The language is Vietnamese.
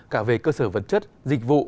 cả về cơ sở vật chất dịch vụ